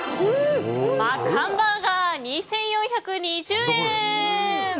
マッカンバーガー、２４２０円。